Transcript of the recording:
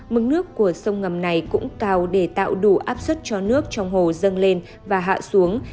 mức nước của sông ngầm này cũng cao để tạo đủ áp suất cho nước trong hồ dâng lên và hạ xuống